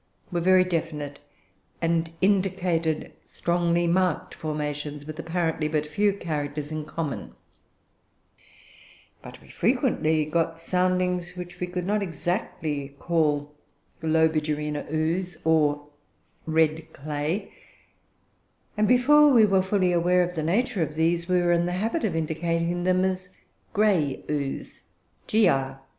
were very definite, and indicated strongly marked formations, with apparently but few characters in common; but we frequently got soundings which we could not exactly call 'Globigerina ooze' or 'red clay,' and before we were fully aware of the nature of these, we were in the habit of indicating them as 'grey ooze' (gr.